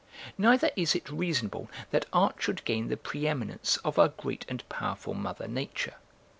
Neither is it reasonable that art should gain the pre eminence of our great and powerful mother nature.